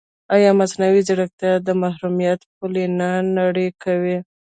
ایا مصنوعي ځیرکتیا د محرمیت پولې نه نری کوي؟